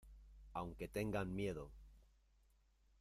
aunque tengan miedo.